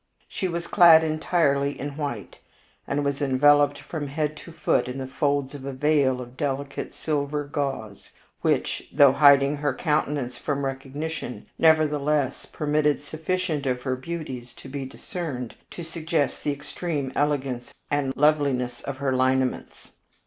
She was clad entirely in white, and was enveloped from head to foot in the folds of a veil of delicate silver gauze, which, though hiding her countenance from recognition, nevertheless permitted sufficient of her beauties to be discerned to suggest the extreme elegance and loveliness of her lineaments.